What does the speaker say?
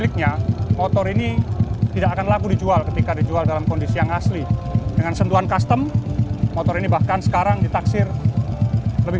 ini adalah motor yang sudah dikeluarkan dari